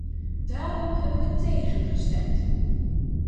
Daarom hebben we tegen gestemd.